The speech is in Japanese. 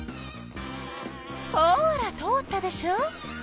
ほら通ったでしょ！